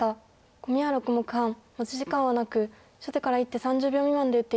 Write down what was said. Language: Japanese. コミは６目半持ち時間はなく初手から１手３０秒未満で打って頂きます。